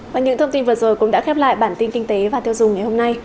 và những thông tin vừa rồi cũng đã khép lại bản tin kinh tế và tiêu dùng ngày hôm nay